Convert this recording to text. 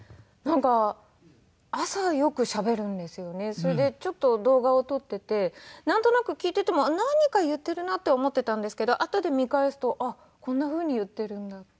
それでちょっと動画を撮っててなんとなく聞いてても何か言ってるなと思ってたんですけどあとで見返すとあっこんなふうに言ってるんだって。